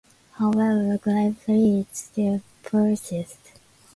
However, grave threats still persist.